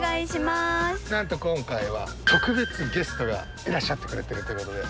なんと今回は特別ゲストがいらっしゃってくれてるということで。